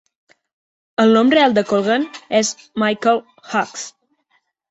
El nom real de Colgan es Michael Hughes.